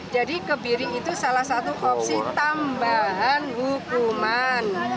jadi kebiri itu salah satu opsi tambahan hukuman